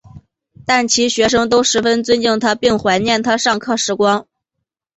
但其学生都十分尊敬他并怀念他上课时光。